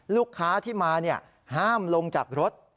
ลูกค้าที่มาห้ามลงจากรถ